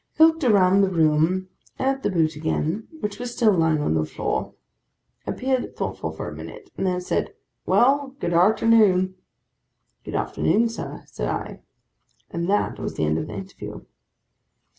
He looked round the room, and at the boot again, which was still lying on the floor; appeared thoughtful for a minute; and then said 'Well, good arternoon.' 'Good afternoon, sir,' said I: and that was the end of the interview.